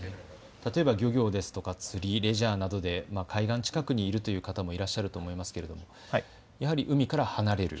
例えば漁業ですとか釣り、レジャーなどで海岸近くにいるという方もいらっしゃると思いますけれども、やはり海から離れる。